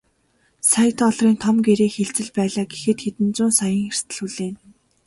Сая долларын том гэрээ хэлцэл байлаа гэхэд хэдэн зуун саяын эрсдэл хүлээнэ.